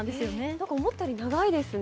なんか思ったより長いですね